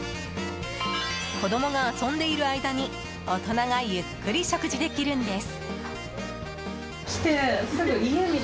子供が遊んでいる間に、大人がゆっくり食事できるんです。